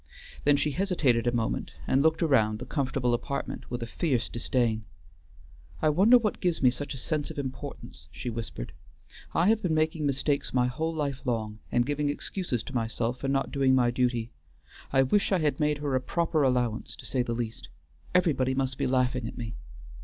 Then she hesitated a moment and looked around the comfortable apartment with a fierce disdain. "I wonder what gives me such a sense of importance," she whispered. "I have been making mistakes my whole life long, and giving excuses to myself for not doing my duty. I wish I had made her a proper allowance, to say the least. Everybody must be laughing at me!"